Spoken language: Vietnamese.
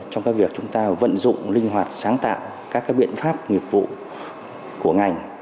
trong việc chúng ta vận dụng linh hoạt sáng tạo các biện pháp nghiệp vụ của ngành